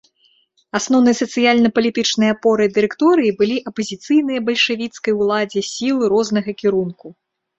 Асноўнай сацыяльна-палітычнай апорай дырэкторыі былі апазіцыйныя бальшавіцкай уладзе сілы рознага кірунку.